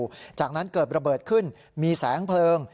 หลังจากนั้นเกิดระเบิดขึ้นมีแสงเพลิง